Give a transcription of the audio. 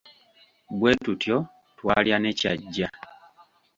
Bwe tutyo twalya ne Kyajja.